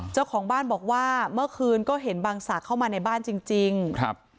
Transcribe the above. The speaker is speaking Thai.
เจ้าของบ้านบอกว่าเมื่อคืนก็เห็นบังศักดิ์เข้ามาในบ้านจริงจริงครับ